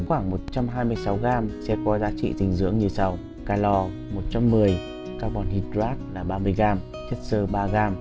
khoảng một trăm hai mươi sáu gam sẽ có giá trị tình dưỡng như sau calo một trăm một mươi carbon hydrate là ba mươi gam chất xơ ba gam